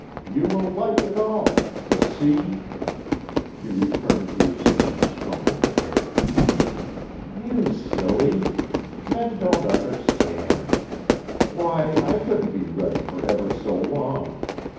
"You will like it all.... The sea...." She returned to his knee, tumbling his hair. "You silly! Men don't understand. Why, I couldn't be ready for ever so long.